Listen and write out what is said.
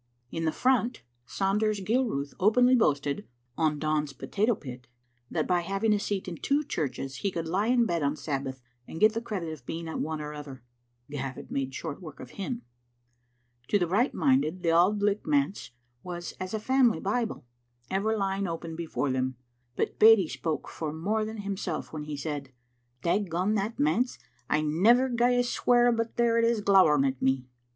In the front Sanders Gil ruth openly boasted (on Don's potato pit) that by hav ing a seat in two churches he could lie in bed on Sabbath and get the credit of being at one or other. (Gavin made short work of him.) To the right minded the Auld Licht manse was as a family Bible, ever lying open before them, but Beattie spoke for more than hio^ Digitized by VjOOQ IC 18 tn>e Xftne Obinistet. self when he said, '' Dagone that manse! I never gie a swear but there it is glowering at me."